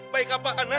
baik apaan ha